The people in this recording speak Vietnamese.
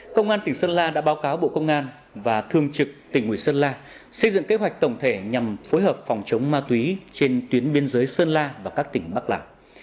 công an tỉnh sơn la đã báo cáo bộ công an và thường trực tỉnh nguyễn sơn la xây dựng kế hoạch tổng thể nhằm phối hợp phòng chống ma túy trên tuyến biên giới sơn la và các tỉnh bắc lào